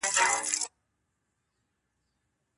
که په تعلیم کې اصلاحات وي، نو کامی مسلسل رایج سي.